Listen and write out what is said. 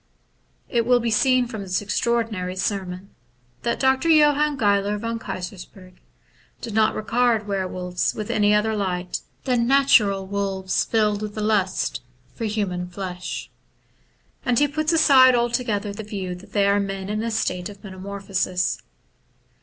'* It will be seen from this extraordinary sermon that Dr. Johann Geiler von Keysersperg did not regard were wolves in any other light than natural wolves filled with a lust for human flesh ; and he puts aside altogether the view that they are men in a state of metamorphosis.